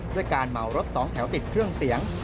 ด้วยการเหมารถสองแถวติดเครื่องเสียง